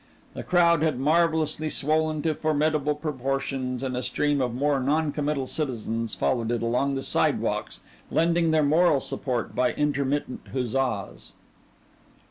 The crowd had marvellously swollen to formidable proportions and a stream of more non committal citizens followed it along the sidewalks lending their moral support by intermittent huzzas.